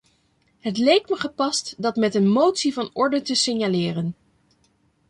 Het leek me gepast dat met een motie van orde te signaleren.